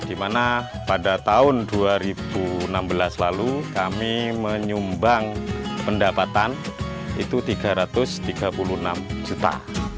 di mana pada tahun dua ribu enam belas lalu kami menyumbang pendapatan itu tiga ratus tiga puluh enam juta